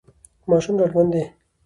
ماشوم ډاډمن دی.